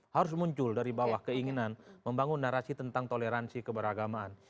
harus muncul dari bawah keinginan membangun narasi tentang toleransi keberagamaan